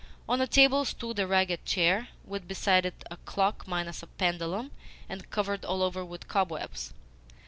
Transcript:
On a table stood a ragged chair, with, beside it, a clock minus a pendulum and covered all over with cobwebs.